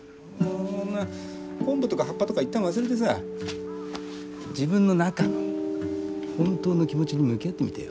昆布とか葉っぱとか一旦忘れてさ自分の中の本当の気持ちに向き合ってみてよ。